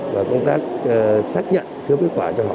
và công tác xác nhận phiếu kết quả cho họ